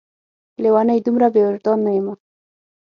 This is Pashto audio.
لېونۍ! دومره بې وجدان نه یمه